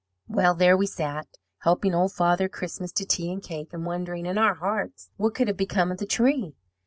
"Well, there we sat, helping Old Father Christmas to tea and cake, and wondering in our hearts what could have become of the tree.